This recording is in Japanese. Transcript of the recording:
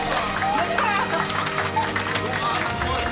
やったー！